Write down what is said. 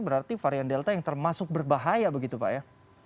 berarti varian delta yang termasuk berbahaya begitu pak ya